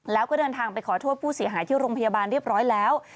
แล้วก็เดินทางไปขอโทษผู้เสียหายที่โรงพยาบาลเรียบร้อยแล้ว